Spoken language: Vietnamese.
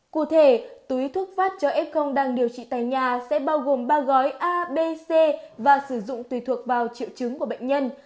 cụ thể túi thuốc phát cho f đang điều trị tại nhà sẽ bao gồm ba gói abc và sử dụng tùy thuộc vào triệu chứng của bệnh nhân